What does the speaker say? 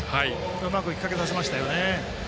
うまく引っ掛けさせましたね。